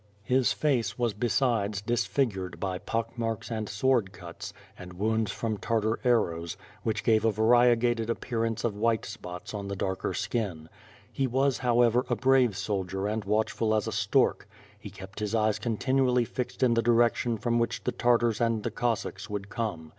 His face was besides disfigured by pock marks and sword cuts, and wounds from Tartar arrows, which gave a variegated appearance of white spots on the darker skin. He was however a brave soldier and watchful as a stork. He kept his eyes continually fixed in the direction from which the Tartars and the Cossacks would come.